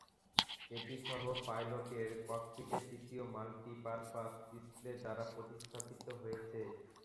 এটি সহ-পাইলটের ককপিটে তৃতীয় মাল্টি পারপাস ডিসপ্লে দ্বারা প্রতিস্থাপিত হয়েছে।